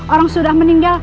orang sudah meninggal